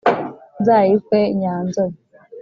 nzayikwe nyanzobe